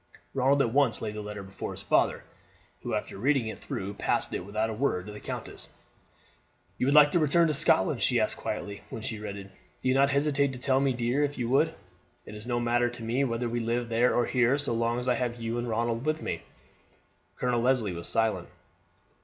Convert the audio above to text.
Ronald at once laid the letter before his father, who, after reading it through, passed it, without a word, to the countess. "You would like to return to Scotland?" she asked quietly, when she read it. "Do not hesitate to tell me, dear, if you would. It is no matter to me whether we live there or here, so long as I have you and Ronald with me." Colonel Leslie was silent.